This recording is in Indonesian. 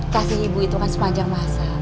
kasih ibu itu kan sepanjang masa